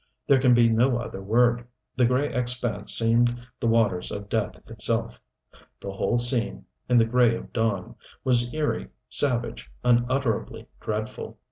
There can be no other word. The gray expanse seemed the waters of death itself; the whole scene, in the gray of dawn, was eerie, savage, unutterably dreadful.